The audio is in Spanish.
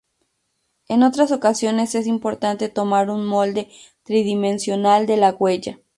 En otras ocasiones es importante tomar un molde tridimensional de la huella.